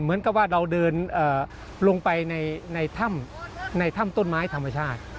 เหมือนกับว่าเราเดินลงไปในถ้ำในถ้ำต้นไม้ธรรมชาติ